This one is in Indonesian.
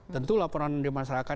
tentu laporan dari masyarakat